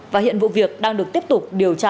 và hiện vụ việc đang được tiếp tục điều tra